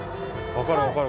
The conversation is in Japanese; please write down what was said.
分かる分かる